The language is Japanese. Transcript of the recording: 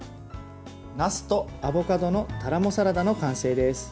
なすとアボカドのタラモサラダの完成です。